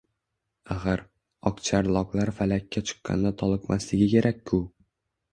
Axir, oqcharloqlar Falakka chiqqanda toliqmasligi kerak-ku.